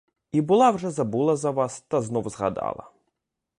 І була вже забула за вас, та знов згадала.